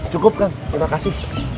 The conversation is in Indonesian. cukup kak terima kasih